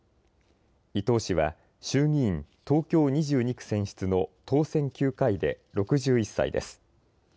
伊藤氏は衆議院東京２２区選出の当選９回で６１歳です。